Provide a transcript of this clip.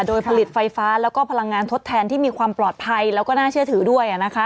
โดยผลิตไฟฟ้าแล้วก็พลังงานทดแทนที่มีความปลอดภัยแล้วก็น่าเชื่อถือด้วย